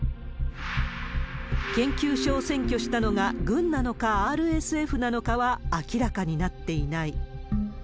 研究所を占拠したのが軍なのかＲＳＦなのかは明らかになっていない。